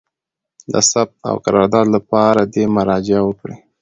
د ثبت او قرارداد لپاره دي مراجعه وکړي: